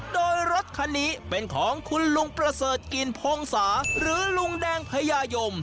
โดยรถคันนี้เป็นของคุณลุงประเสริฐกลิ่นพงศาหรือลุงแดงพญายม